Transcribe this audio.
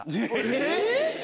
えっ